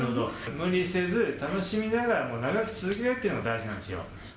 無理せず、楽しみながら長く続けるっていうのが大事なんですよ。